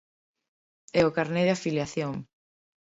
E o carné de afiliación.